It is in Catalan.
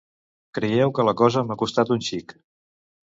Creieu que la cosa m'ha costat un xic…